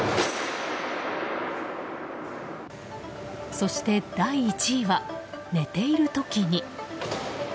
そして、第１位は寝ている時に。